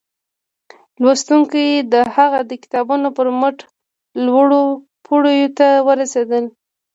لوستونکي د هغه د کتابونو پر مټ لوړو پوړيو ته ورسېدل